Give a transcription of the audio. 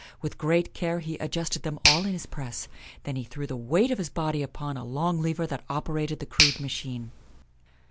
With great care he adjusted them all in his press. Then he threw the weight of his body upon a long lever that operated the crude machine.